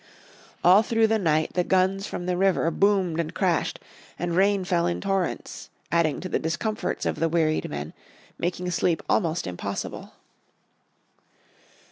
All through the night the guns from the river boomed and crashed, and rain fell in torrents, adding to the discomforts of the wearied men, making sleep almost impossible.